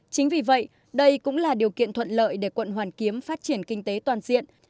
chính vì vậy đây cũng là điều kiện thuận lợi để quận hoàn kiếm phát triển kinh tế toàn diện